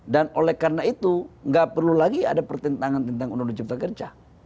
dan oleh karena itu nggak perlu lagi ada pertentangan tentang undang undang cipta kerja